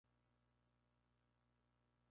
Además se la conoce por su capacidad para volar.